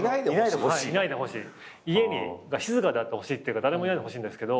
家が静かであってほしいというか誰もいないでほしいんですけど。